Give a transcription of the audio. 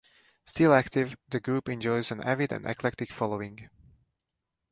Still active, the group enjoys an avid and eclectic following.